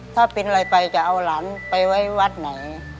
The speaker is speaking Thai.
ถ้าเป็นอะไรไปจะเอาหลานไปไว้วัดไหน